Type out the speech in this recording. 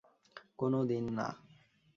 কোনো দিন না।